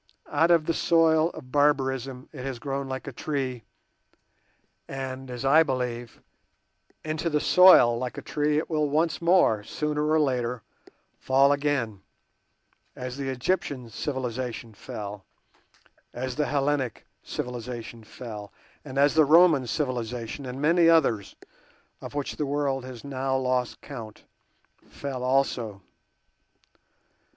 Out of the soil of barbarism it has grown like a tree, and, as I believe, into the soil like a tree it will once more, sooner or later, fall again, as the Egyptian civilization fell, as the Hellenic civilization fell, and as the Roman civilization and many others of which the world has now lost count, fell also.